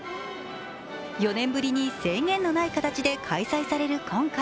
４年ぶりに制限のない形で開催される今回。